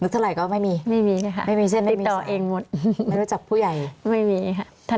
นึกเท่าไรก็ว่าไม่มีไม่มีใช่ไหมคะไม่มีค่ะติดต่อเองหมดไม่รู้จักผู้ใหญ่ไม่มีค่ะ